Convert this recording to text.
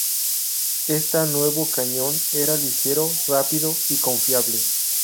Esta nuevo cañón era ligero, rápido y confiable.